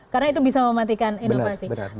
karena itu bisa mematikan inovasi